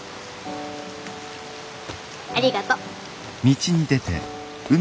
ありがと。